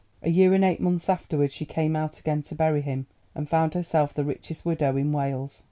A year and eight months afterwards she came out again to bury him, and found herself the richest widow in Wales.